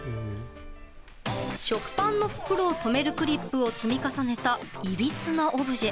食パンの袋を留めるクリップを積み重ねたいびつなオブジェ。